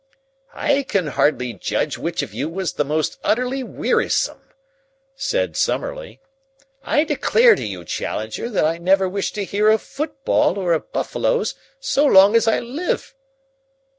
"I can hardly judge which of you was the most utterly wearisome," said Summerlee. "I declare to you, Challenger, that I never wish to hear of football or of buffaloes so long as I live."